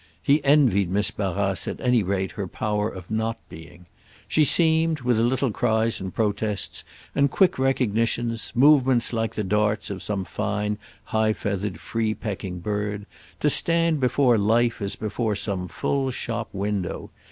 He envied Miss Barrace at any rate her power of not being. She seemed, with little cries and protests and quick recognitions, movements like the darts of some fine high feathered free pecking bird, to stand before life as before some full shop window.